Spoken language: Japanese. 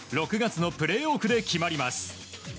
６月のプレーオフで決まります。